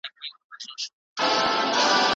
د دولت د کمزورتیا اسباب هر چا ته معلوم دي.